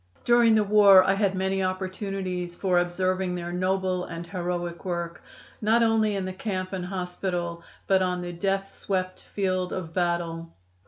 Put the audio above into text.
During the war I had many opportunities for observing their noble and heroic work, not only in the camp and hospital, but on the death swept field of battle.